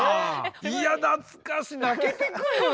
いや懐かしい泣けてくる！